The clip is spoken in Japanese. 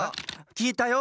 きえたよ。